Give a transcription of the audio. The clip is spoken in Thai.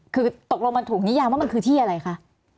คือตกลงมันถูกนิยามว่ามันคือที่อะไรคะ